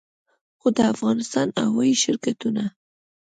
خو د افغانستان هوايي شرکتونه